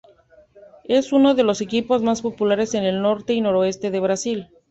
Es uno de los equipos más populares en el norte y noreste de Brasil.